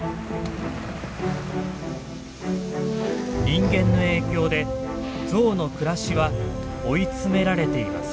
人間の影響でゾウの暮らしは追い詰められています。